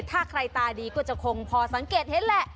ถ้าใครตาดีก็จะคงพอสังเกตเห็นแหละ